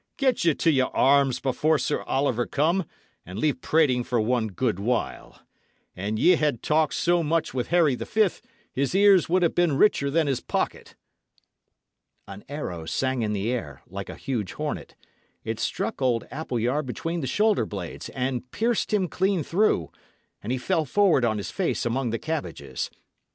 "Get ye to your arms before Sir Oliver come, and leave prating for one good while. An ye had talked so much with Harry the Fift, his ears would ha' been richer than his pocket." An arrow sang in the air, like a huge hornet; it struck old Appleyard between the shoulder blades, and pierced him clean through, and he fell forward on his face among the cabbages.